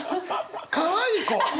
かわいい子。